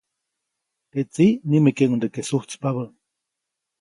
Teʼ tsiʼ nimekeʼuŋdeke sujtspabä.